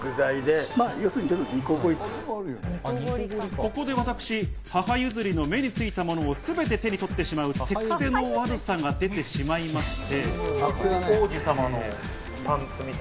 ここで私、母譲りの目についたものをすべて手に取ってしまうというクセの悪さが出てしまいまして。